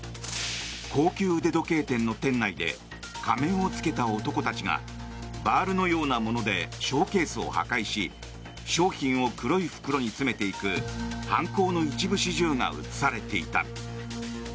高級腕時計店の店内で仮面を着けた男たちがバールのようなものでショーケースを破壊し商品を黒い袋に詰めていく犯行の一部始終が映されていた。